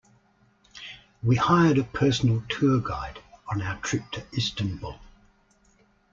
We hired a personal tour guide on our trip to Istanbul.